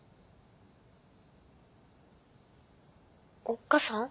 おっ母さん？